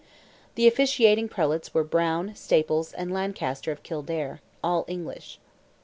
The officiating Prelates were Browne, Staples, and Lancaster of Kildare—all English.